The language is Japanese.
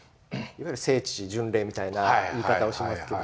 いわゆる聖地巡礼みたいな言い方をしますけど。